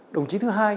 đồng chí thứ hai